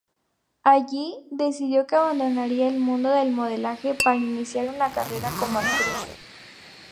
Allí decidió que abandonaría el mundo del modelaje para iniciar una carrera como actriz.